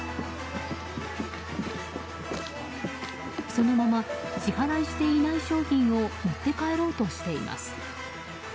そのまま支払いしていない商品を持って帰ろうとしています。